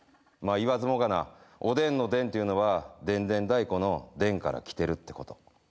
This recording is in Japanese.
まあ言わずもがなおでんの「でん」っていうのはでんでん太鼓の「でん」からきてるってこと。